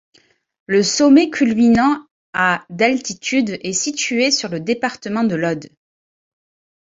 Le sommet culminant à d'altitude est situé sur le département de l'Aude.